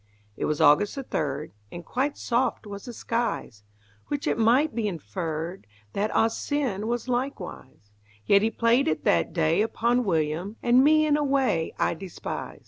It was August the third, And quite soft was the skies; Which it might be inferred That Ah Sin was likewise; Yet he played it that day upon William And me in a way I despise.